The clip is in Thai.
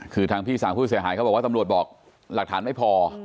คือทางพี่สาวผู้เสียหายเขาบอกว่าตำรวจบอกหลักฐานไม่พอ